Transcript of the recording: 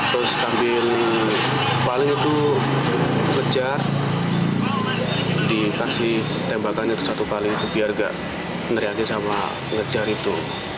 terus sambil paling itu kejar dikasih tembakan itu satu kali itu biar gak neriaki sama ngejar itu